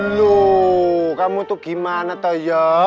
loh kamu tuh gimana tau ya